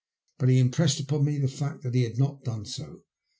But he impressed upon me the fact that he had not done so.